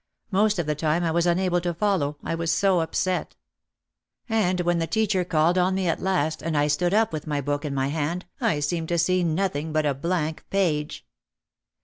Most of the time I was unable to follow, I was so upset. And when the teacher called on me at last and I stood up with my book in my hand I seemed to see nothing but a blank page.